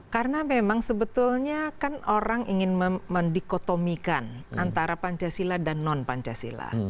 karena memang sebetulnya kan orang ingin mendikotomikan antara pancasila dan non pancasila